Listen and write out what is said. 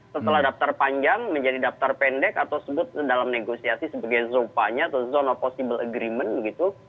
setelah daftar panjang menjadi daftar pendek atau disebut dalam negosiasi sebagai zon of possible agreement gitu